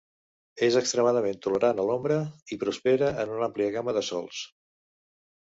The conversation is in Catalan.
És extremadament tolerant a l'ombra i prospera en una àmplia gamma de sols.